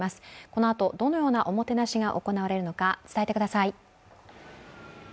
このあと、どのようなおもてなしが行われるのか、伝えてください。